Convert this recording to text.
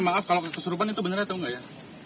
maaf kalau kesurupan itu beneran tau nggak ya